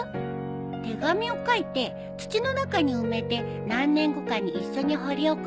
手紙を書いて土の中に埋めて何年後かに一緒に掘り起こすんだ。